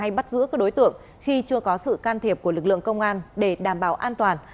đừng có truy đuổi hay bắt giữ các đối tượng khi chưa có sự can thiệp của lực lượng công an để đảm bảo an toàn